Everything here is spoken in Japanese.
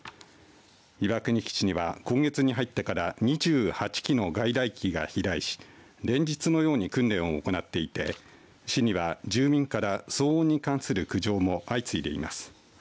岩国基地には今月に入ってから２８機の外来機が飛来し連日のように訓練を行っていて市には住民から騒音に関する苦情も相次いでいます。